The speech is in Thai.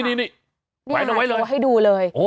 นี่แผนเอาไว้เลยให้ดูเลย